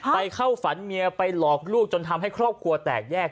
ไปเข้าฝันเมียไปหลอกลูกจนทำให้ครอบครัวแตกแยก